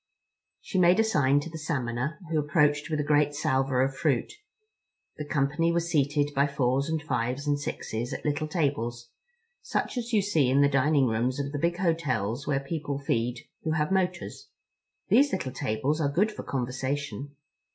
She made a sign to a Salmoner, who approached with a great salver of fruit. The company were seated by fours and fives and sixes at little tables, such as you see in the dining rooms of the big hotels where people feed who have motors. These little tables are good for conversation.